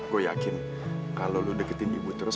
gue yakin kalau lo deketin ibu terus